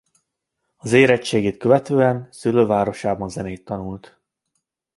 Az érettségit követően szülővárosában zenét tanult.